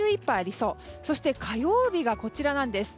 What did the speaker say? そして火曜日がこちらなんです。